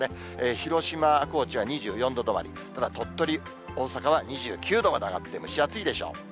広島、高知は２４度止まり、ただ、鳥取、大阪は２９度まで上がって、蒸し暑いでしょう。